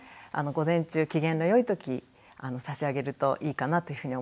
午前中機嫌の良い時差し上げるといいかなというふうに思います。